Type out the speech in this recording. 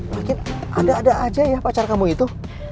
makin ada ada aja ya pacar kamu itu